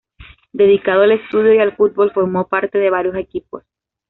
Dedicado al estudio y al fútbol, formó parte de varios equipos.